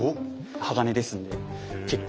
鋼ですんで結構。